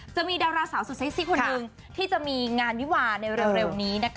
จะมีดาราสาวสุดเซ็กซี่คนหนึ่งที่จะมีงานวิวาในเร็วนี้นะคะ